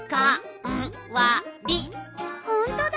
ほんとだ！